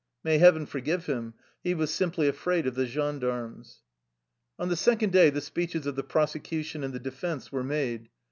May heaven forgive him ! He was simply afraid of the gendarmes. On the second day the speeches of the prose cution and the defense were made.